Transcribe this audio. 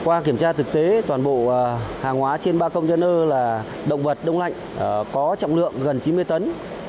qua kiểm tra thực tế toàn bộ hàng hóa trên ba container là động vật đông lạnh có trọng lượng gần chín mươi tấn